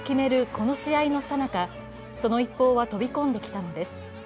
この試合のさなか、その一報は飛び込んできたのです。